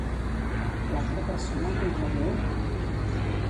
L'altra persona el contradiu?